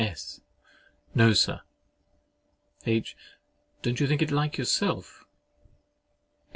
S. No, Sir. H. Don't you think it like yourself?